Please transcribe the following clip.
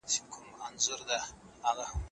وده ورکړئ.